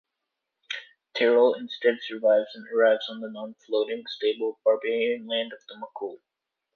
Terrel instead survives and arrives on the non-Floating, stable "barbarian land" of Macul.